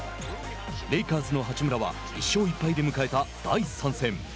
レイカーズの八村は１勝１敗で迎えた第３戦。